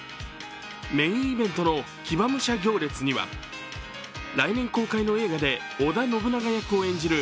メインイベントの騎馬武者行列には来年公開の映画で織田信長役を演じる